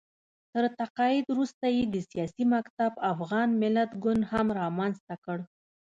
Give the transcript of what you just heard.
تر تقاعد وروسته یې د سیاسي مکتب افغان ملت ګوند هم رامنځته کړ